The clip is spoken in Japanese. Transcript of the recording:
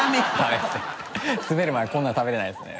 滑る前こんなの食べられないですね。